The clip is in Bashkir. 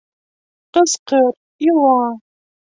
Кысҡыр, ила!